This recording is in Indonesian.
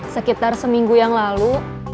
sekitar seminggu yang lalu